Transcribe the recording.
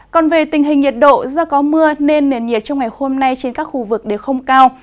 còn về tình hình nhiệt độ do có mưa nên nền nhiệt trong ngày hôm nay trên các khu vực đều không cao